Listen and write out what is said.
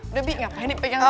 udah bibi ngapain nih pegang